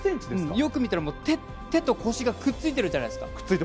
よく見たら、手と腰がくっついてるじゃないですか。